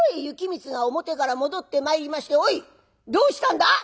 行光が表から戻ってまいりまして「おいどうしたんだ？」。